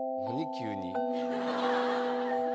急に。